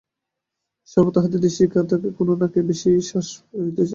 সর্বদা তাঁহাদের দৃষ্টি থাকে কোন নাকে বেশী শ্বাস বহিতেছে।